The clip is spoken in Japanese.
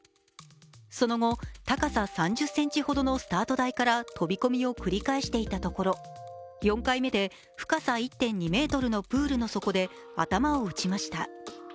その後、高さ３０ｃｍほどのスタート台から飛び込みを繰り返していたところ４回目で深さ１．２ｍのプールの底で頭を打ちました。